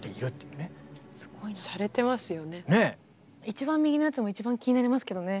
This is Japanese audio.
一番右のやつも一番気になりますけどね。